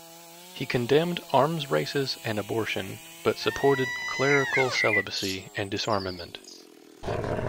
He condemned arms races and abortion, but supported clerical celibacy and disarmament.